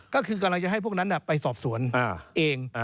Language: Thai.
ก็คือกำลังจะให้พวกนั้นไปสอบสวนเอง